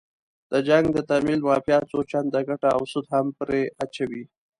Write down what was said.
د جنګ د تمویل مافیا څو چنده ګټه او سود هم پرې اچوي.